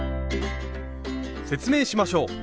説明しましょう！